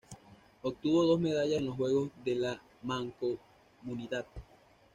Obtuvo dos medallas en los Juegos de la Mancomunidad.